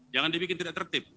jangan dibikin tidak tertip